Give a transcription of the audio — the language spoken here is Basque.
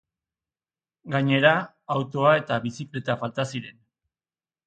Gainera, autoa eta bizikleta falta ziren.